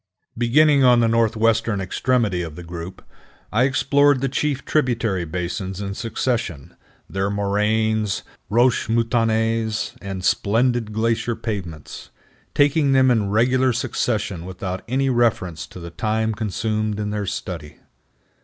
Beginning on the northwestern extremity of the group, I explored the chief tributary basins in succession, their moraines, roches moutonnées, and splendid glacier pavements, taking them in regular succession without any reference to the time consumed in their study.